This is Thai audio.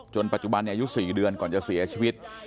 ปัจจุบันอายุ๔เดือนก่อนจะเสียชีวิต